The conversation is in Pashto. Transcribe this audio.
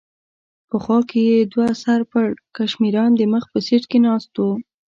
په خوا کې یې دوه سر پړکمشران د مخ په سېټ کې ناست و.